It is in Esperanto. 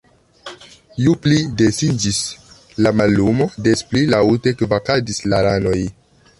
Ju pli densiĝis la mallumo, des pli laŭte kvakadis la ranoj.